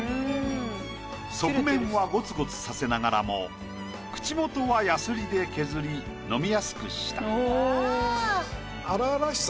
側面はゴツゴツさせながらも口元はやすりで削り飲みやすくした。